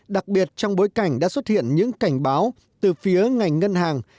đặc biệt trong bối cảnh đã xuất hiện những cảnh báo từ phía ngành ngân hàng